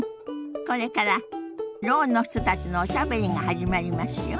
これからろうの人たちのおしゃべりが始まりますよ。